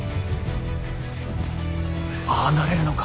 ああなれるのか